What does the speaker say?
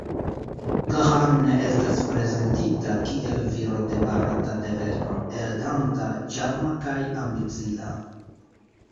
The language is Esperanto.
Khan estas prezentita kiel viro de barata deveno, eleganta, ĉarma kaj ambicia.